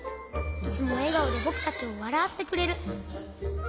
いつもえがおでぼくたちをわらわせてくれる。